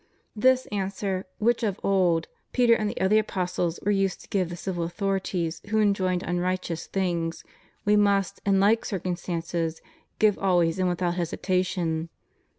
This answer, which of old Peter and the other apostles were used to give the civil authorities who enjoined unrighteous things, we must, in like circumstances, give always and without hesitation.